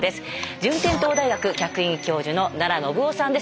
順天堂大学客員教授の奈良信雄さんです。